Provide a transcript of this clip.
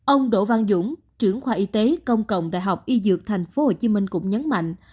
ông đỗ văn dũng trưởng khoa y tế công cộng đại học y dược tp hcm cũng nhấn mạnh